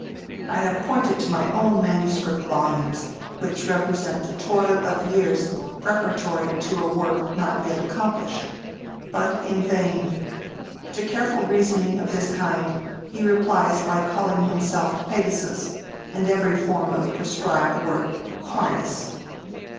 I have pointed to my own manuscript volumes, which represent the toil of years preparatory to a work not yet accomplished. But in vain. To careful reasoning of this kind he replies by calling himself Pegasus, and every form of prescribed work 'harness.